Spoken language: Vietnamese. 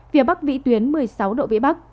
phía bắc vị tuyến một mươi sáu độ vĩ bắc